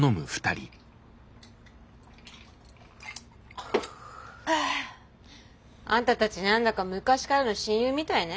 ああ。あんたたち何だか昔からの親友みたいね。